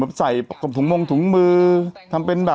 แต่หนูจะเอากับน้องเขามาแต่ว่า